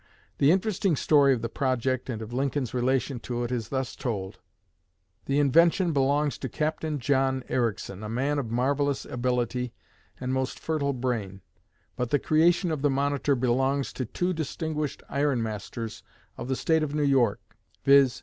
The interesting story of the project, and of Lincoln's relation to it, is thus told: "The invention belongs to Captain John Ericsson, a man of marvelous ability and most fertile brain; but the creation of the 'Monitor' belongs to two distinguished iron masters of the State of New York, viz.